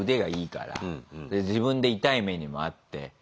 で自分で痛い目にもあって。